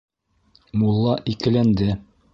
— Мулла икеләнде.